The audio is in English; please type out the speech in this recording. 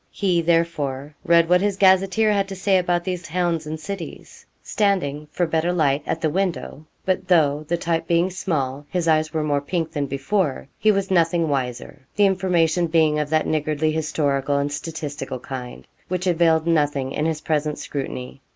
He, therefore, read what his gazetteer had to say about these towns and cities, standing, for better light, at the window. But though, the type being small, his eyes were more pink than before, he was nothing wiser, the information being of that niggardly historical and statistical kind which availed nothing in his present scrutiny.